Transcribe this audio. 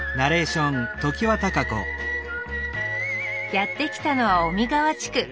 やって来たのは小見川地区。